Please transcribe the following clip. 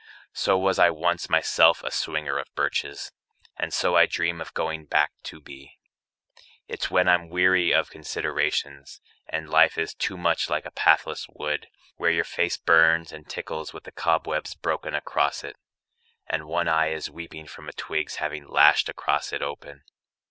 So was I once myself a swinger of birches. And so I dream of going back to be. It's when I'm weary of considerations, And life is too much like a pathless wood Where your face burns and tickles with the cobwebs Broken across it, and one eye is weeping From a twig's having lashed across it open.